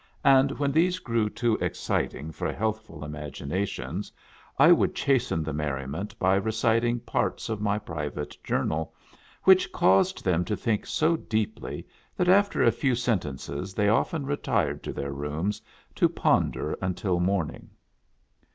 And when these grew too exciting for healthful imagi nations, I would chasten the merriment by reciting parts of my private journal, which caused them to think so deeply that after a few sentences they often retired to their rooms to ponder until morning.